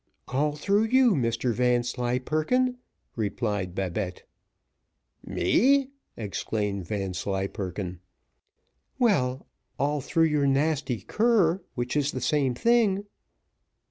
"All through you, Mr Vanslyperken," replied Babette. "Me!" exclaimed Vanslyperken. "Well, all through your nasty cur, which is the same thing."